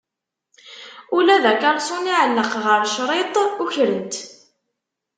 Ula d akalṣun iɛellqen ɣef ccriṭ, ukren-t!